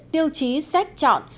tiêu chí xét chọn